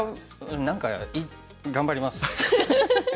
何か頑張ります。